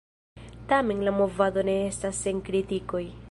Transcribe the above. Tamen la movado ne estas sen kritikoj.